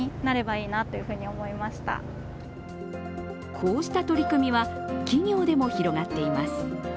こうした取り組みは企業でも広がっています。